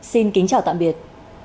xin kính chào tạm biệt